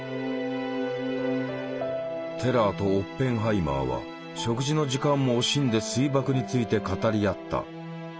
テラーとオッペンハイマーは食事の時間も惜しんで水爆について語り合った。